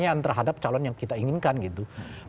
pertanyaan terhadap calon yang kita inginkan gitu